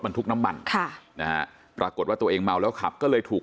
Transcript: ทุกน้ำมันค่ะนะฮะปรากฏว่าตัวเองเมาแล้วขับก็เลยถูก